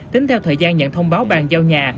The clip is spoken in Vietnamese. tính theo thời gian nhận thông báo bàn giao nhà